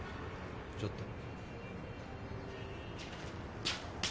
ちょっと。